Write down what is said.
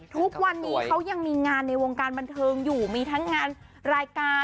ทุกวันนี้เขายังมีงานในวงการบันเทิงอยู่มีทั้งงานรายการ